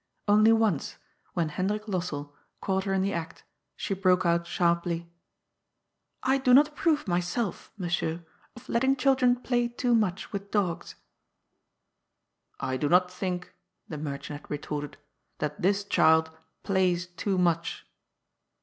Only once, when Hendrik Lossell caught her in the act, she broke out sharply :" I do not approve myself, monsieur, of letting children play too much with dogs." " I do not think," the merchant had retorted, " that this child plays too much."